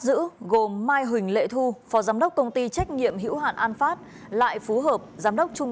giữ gồm mai huỳnh lệ thu phó giám đốc công ty trách nhiệm hữu hạn an phát lại phú hợp giám đốc trung